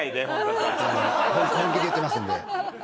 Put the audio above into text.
本気で言ってますんで。